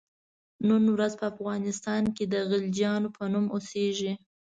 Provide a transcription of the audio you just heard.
نن ورځ په افغانستان کې د غلجیانو په نوم اوسیږي.